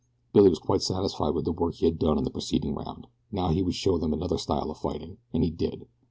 Billy was quite satisfied with the work he had done in the preceding round. Now he would show them another style of fighting! And he did.